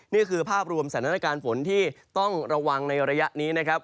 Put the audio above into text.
นี่คือภาพรวมสถานการณ์ฝนที่ต้องระวังในระยะนี้นะครับ